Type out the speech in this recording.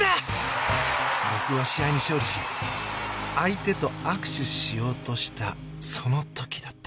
僕は試合に勝利し、相手と握手しようとしたその時だった。